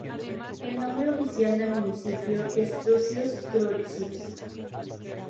El nombre oficial del municipio es Trucios-Turtzioz.